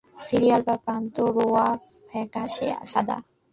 Cilia বা প্রান্ত-রোঁয়া ফ্যাকাশে সাদা।